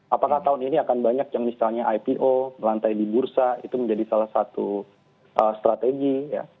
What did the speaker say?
apakah tahun ini akan banyak yang misalnya ipo melantai di bursa itu menjadi salah satu strategi ya